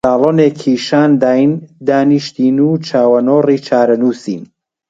ساڵۆنێکی شان داین، دانیشتین و چاوەنۆڕی چارەنووسین